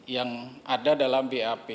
yang ada dalam bap